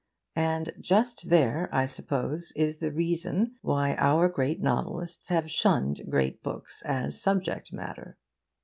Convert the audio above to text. And just there, I suppose, is the reason why our great novelists have shunned great books as subject matter.